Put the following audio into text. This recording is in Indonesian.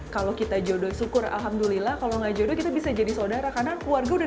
kalau kita jodoh syukur alhamdulillah kalau nggak jodoh kita bisa jadi saudara karena keluarga udah